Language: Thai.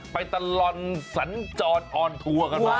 ไปตลอดสัญจรอออนทัวร์กันมา